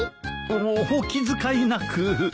おお気遣いなく。